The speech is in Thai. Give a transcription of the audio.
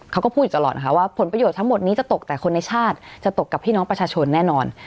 เขาก็พูดอยู่ตลอดนะคะว่าผลประโยชน์ทั้งหมดนี้จะตกแต่คนในชาติจะตกกับพี่น้องประชาชนแน่นอน